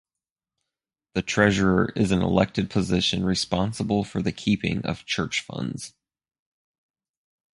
The treasurer is an elected position responsible for the keeping of church funds.